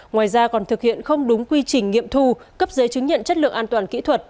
ngoài ra còn thực hiện không đúng quy trình nghiệm thu cấp giấy chứng nhận chất lượng an toàn kỹ thuật